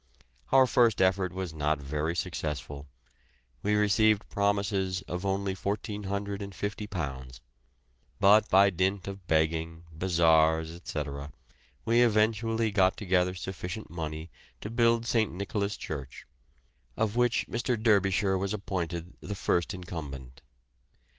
Our first effort was not very successful, we received promises of only £1,450; but by dint of begging, bazaars, etc., we eventually got together sufficient money to build St. Nicholas' church, of which Mr. Derbyshire was appointed the first incumbent.